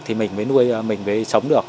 thì mình mới nuôi mình mới sống được